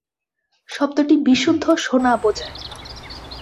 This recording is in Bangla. শব্দটি "বিশুদ্ধ সোনা" বোঝায়।